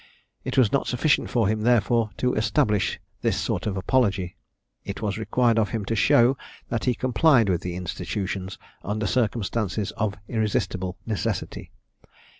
It was not sufficient for him, therefore, to establish this sort of apology; it was required of him to show, that he complied with the institutions, under circumstances of irresistible necessity.